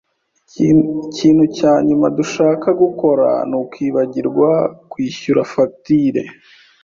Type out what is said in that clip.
Ikintu cya nyuma dushaka gukora nukwibagirwa kwishyura fagitire.